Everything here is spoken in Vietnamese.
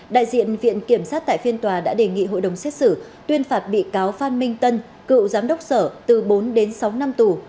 đại diện viện kiểm sát tại phiên tòa đã đề nghị hội đồng xét xử tuyên phạt bị cáo phan minh tân cựu giám đốc sở từ bốn đến sáu năm tù